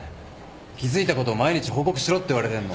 気付いたことを毎日報告しろって言われてんの。